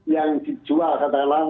yang dijual katakanlah